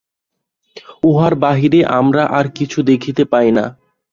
উহার বাহিরে আমরা আর কিছু দেখিতে পাই না।